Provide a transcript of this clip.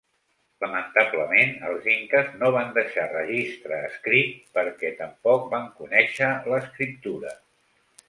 Lamentablement, els inques no van deixar registre escrit perquè tampoc van conèixer l'escriptura.